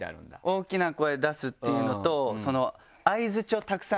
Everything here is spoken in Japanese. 「大きな声出す」っていうのと。